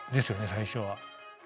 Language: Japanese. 最初は。